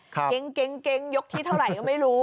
เก๋งยกที่เท่าไหร่ก็ไม่รู้